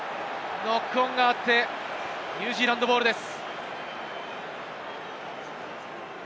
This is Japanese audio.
ノックオンがあって、ニュージーランドボールです。